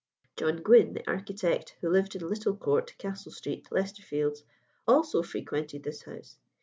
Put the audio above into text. John Gwynn, the architect, who lived in Little Court, Castle Street, Leicester Fields, also frequented this house.